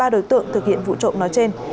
ba đối tượng thực hiện vụ trộm nói trên